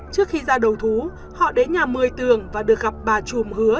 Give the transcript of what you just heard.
trước khi ra đầu thú họ đến nhà một mươi tường và được gặp bà trùm hứa